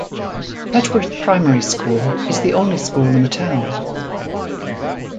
Petworth Primary School is the only school in the town.